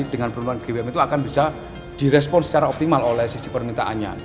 dengan penurunan gwm itu akan bisa direspon secara optimal oleh sisi permintaannya